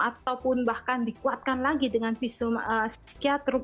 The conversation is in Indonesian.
ataupun bahkan dikuatkan lagi dengan visum psikiatrup